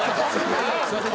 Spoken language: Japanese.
すみません。